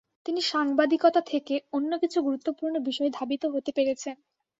তিনি সাংবাদিকতা থেকে অন্যকিছু গুরুত্বপূর্ণ বিষয়ে ধাবিত হতে পেরেছেন।